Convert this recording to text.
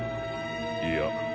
いや。